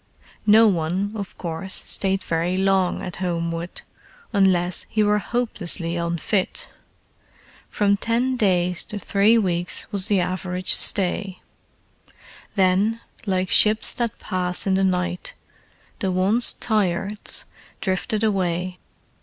No one, of course, stayed very long at Homewood, unless he were hopelessly unfit. From ten days to three weeks was the average stay: then, like ships that pass in the night, the "Once Tireds," drifted away.